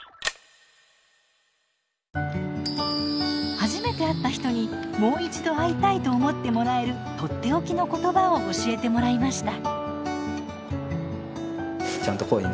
初めて会った人にもう一度会いたいと思ってもらえるとっておきの言葉を教えてもらいました。